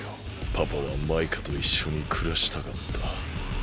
パパはマイカといっしょにくらしたかった。